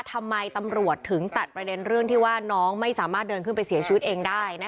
ทำไมตำรวจถึงตัดประเด็นเรื่องที่ว่าน้องไม่สามารถเดินขึ้นไปเสียชีวิตเองได้